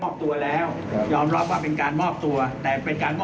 คือผู้ต้องหาคนเดียวกันข้อหาเดียวกัน